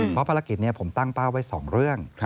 เพราะภารกิจนี้ผมตั้งเป้าไว้๒เรื่อง